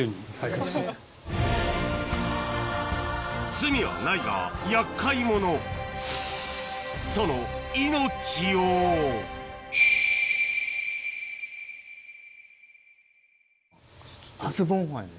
罪はないが厄介者その命を初ボンファンやね。